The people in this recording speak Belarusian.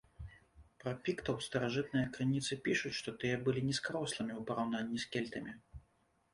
Пра піктаў старажытныя крыніцы пішуць, што тыя былі нізкарослымі ў параўнанні з кельтамі.